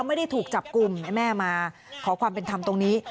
ไม่ได้ถูกจับกลุ่มให้แม่มาขอความเป็นธรรมตรงนี้